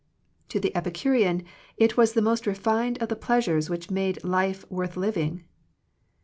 To the Epicurean it was the most refined of the pleasures which made life worth living.